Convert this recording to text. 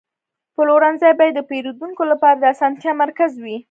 پلورنځی باید د پیرودونکو لپاره د اسانتیا مرکز وي.